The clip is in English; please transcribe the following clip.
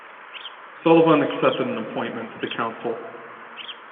Sullivan accepted an appointment to the council.